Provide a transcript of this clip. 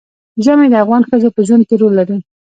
ژمی د افغان ښځو په ژوند کې رول لري.